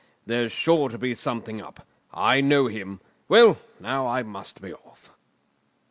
There's sure to be something up. I know him. Well, now, I must be off."